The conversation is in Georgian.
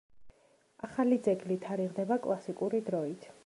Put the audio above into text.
ახალი ძეგლი თარიღდება კლასიკური დროით.